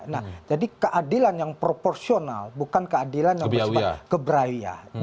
nah jadi keadilan yang proporsional bukan keadilan yang bersifat gebraiyah